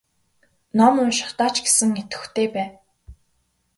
Ном уншихдаа ч гэсэн идэвхтэй бай.